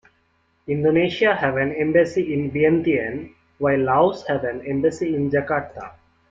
Indonesia have an embassy in Vientiane, while Laos have an embassy in Jakarta.